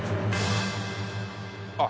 あっ